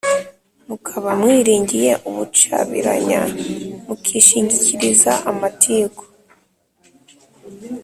mukaba mwiringiye ubucabiranya, mukishingikiriza amatiku,